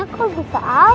apapun yang famil blank